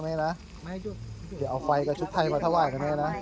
แม่นะเอาไฟกับชุดไข้ประถาวัยกับแม่นะ